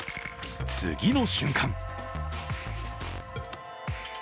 次の瞬間